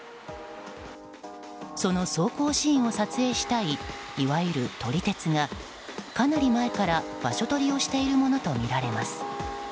その走行シーンを撮影したいいわゆる撮り鉄がかなり前から場所取りをしているものとみられます。